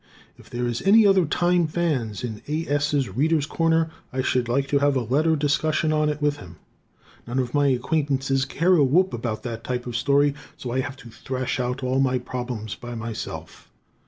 If there is any other "time" fan in A. S.'s "Readers' Corner" I should like to have a letter discussion on it with him. None of my acquaintances care a whoop about that type of story, so I have to thrash out all my problems by myself.